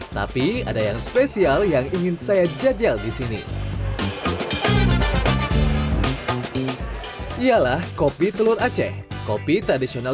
tapi ada yang spesial yang ingin saya jajal di sini ialah kopi telur aceh kopi tradisional